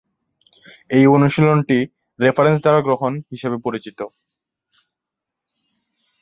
এই অনুশীলনটি 'রেফারেন্স দ্বারা গ্রহণ' হিসাবে পরিচিত।